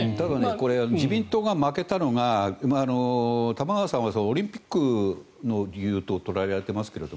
これは自民党が負けたのが玉川さんはオリンピックの理由と捉えられていますけど。